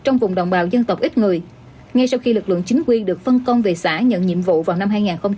ngay sau khi lực lượng chính quyền được phân công về xã nhận nhiệm vụ vào năm hai nghìn hai mươi